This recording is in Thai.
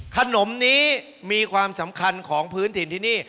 ขนมนี้มีความสำคัญของพื้นถิ่นที่นี่